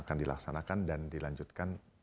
akan dilaksanakan dan dilanjutkan